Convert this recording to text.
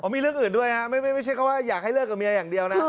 มีเรื่องอื่นด้วยฮะไม่ใช่แค่ว่าอยากให้เลิกกับเมียอย่างเดียวนะ